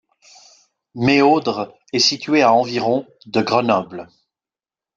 Méaudre est situé à environ de Grenoble.